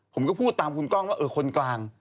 ผมก็พูดตามคุณกล้องว่าเออคนกลาง